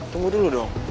tunggu dulu dong